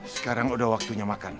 sekarang udah waktunya makan